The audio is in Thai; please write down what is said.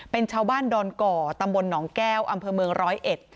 เป็นชาวบ้านดอนก่อตำบลหนองแก้วอำเภอเมืองร้อยเอ็ด